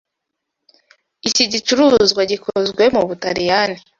Iki gicuruzwa gikozwe mu Butaliyani.